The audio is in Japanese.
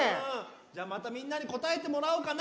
じゃあまたみんなにこたえてもらおうかな。